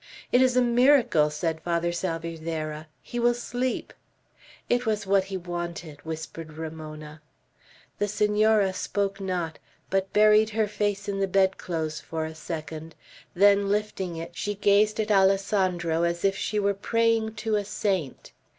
"It is a miracle," said Father Salvierderra. "He will sleep." "It was what he wanted!" whispered Ramona. The Senora spoke not, but buried her face in the bedclothes for a second; then lifting it, she gazed at Alessandro as if she were praying to a saint.